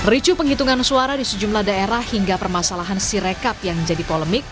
ricu penghitungan suara di sejumlah daerah hingga permasalahan sirekap yang jadi polemik